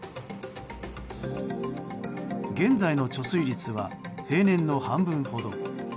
現在の貯水率は平年の半分ほど。